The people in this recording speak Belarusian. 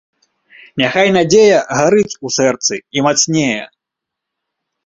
Няхай надзея гарыць у сэрцы і мацнее